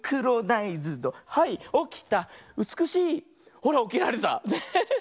ほらおきられた。ね。